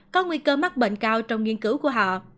có nguy cơ mắc bệnh cao trong nghiên cứu của họ